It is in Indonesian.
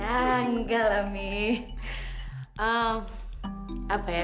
engga lah mie